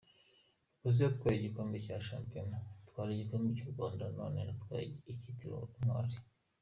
Police yatwaye igikombe cya Shampiyona, itwara igikombe cy’u Rwanda none inatwaye icyitiriwe intwari.